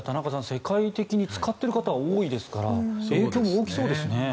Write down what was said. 世界的に使っている方多いですから影響も大きそうですね。